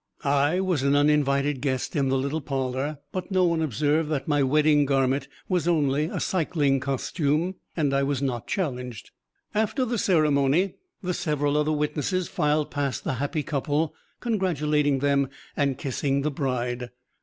I was an uninvited guest in the little parlor, but no one observed that my wedding garment was only a cycling costume, and I was not challenged. After the ceremony, the several other witnesses filed past the happy couple, congratulating them and kissing the bride.